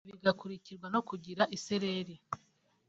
ibi bigakurikirwa no kugira isereri